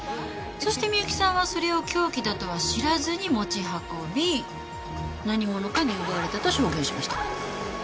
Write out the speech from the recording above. そして美由紀さんはそれを凶器だとは知らずに持ち運び何者かに奪われたと証言しました。